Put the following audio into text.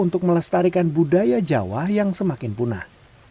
untuk melestarikan budaya jawa yang semakin punah